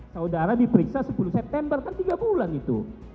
saudara diperiksa sepuluh september kan tiga bulan itu